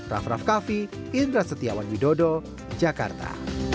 raff raff kaffi indra setiawan widodo jakarta